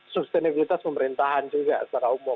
substenabilitas pemerintahan juga secara umum